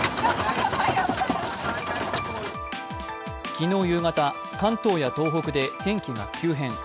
昨日夕方、関東や東北で天気が急変。